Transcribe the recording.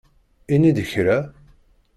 Ini-d kra!